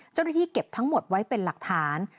เจ้าหน้าที่เก็บทั้งหมดไว้เป็นหลักฐาน